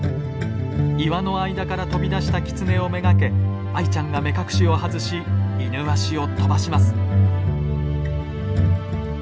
岩の間から飛び出したキツネを目がけアイちゃんが目隠しを外しイヌワシを飛ばします。